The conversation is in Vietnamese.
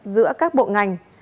giữa các bộ ngành